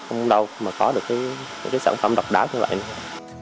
không đâu mà có được cái sản phẩm độc đáo như vậy thôi